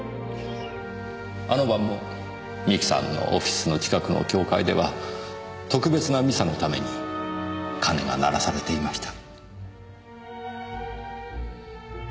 あの晩も三木さんのオフィスの近くの教会では特別なミサのために鐘が鳴らされていました。